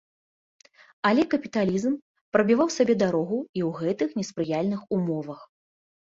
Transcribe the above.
Але капіталізм прабіваў сабе дарогу і ў гэтых неспрыяльных умовах.